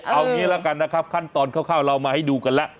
เอางี้ละกันนะครับขั้นตอนคร่าวเรามาให้ดูกันแล้ว